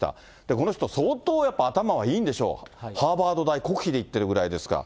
この人、相当やっぱり頭がいいんでしょう、ハーバード大、国費で行ってるぐらいですから。